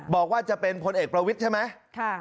บอกว่าจะเป็นพลเอกประวิทย์ใช่ไหม